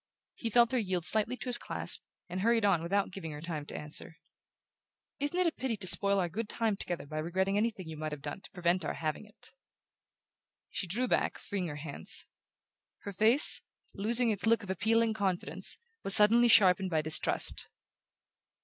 He felt her yield slightly to his clasp, and hurried on without giving her time to answer. "Isn't it a pity to spoil our good time together by regretting anything you might have done to prevent our having it?" She drew back, freeing her hands. Her face, losing its look of appealing confidence, was suddenly sharpened by distrust.